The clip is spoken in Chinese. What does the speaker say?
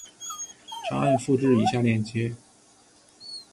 长按复制以下链接